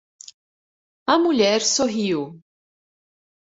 A mulher sorriu.